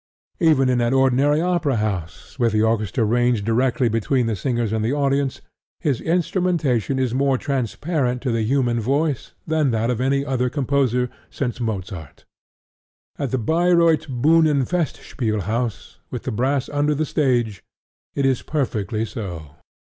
Even in an ordinary opera house, with the orchestra ranged directly between the singers and the audience, his instrumentation is more transparent to the human voice than that of any other composer since Mozart. At the Bayreuth Buhnenfestspielhaus, with the brass under the stage, it is perfectly so.